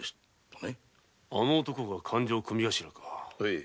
あの男が勘定組頭か？